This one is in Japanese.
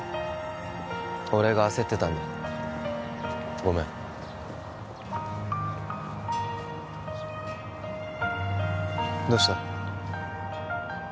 俺が焦ってたんだごめんどうした？